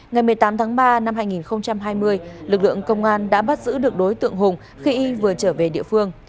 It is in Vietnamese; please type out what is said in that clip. ngày một mươi tám tháng ba năm hai nghìn hai mươi lực lượng công an đã bắt giữ được đối tượng hùng khi y vừa trở về địa phương